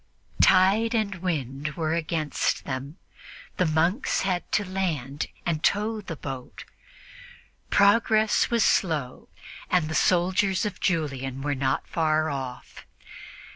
Tide and wind were against them; the monks had to land and tow the boat; progress was slow, and the soldiers of Julian were not far off.